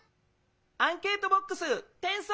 アンケートボックス転送！